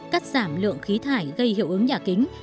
cắt giảm lượng khí thải gây hiệu ứng nhà kính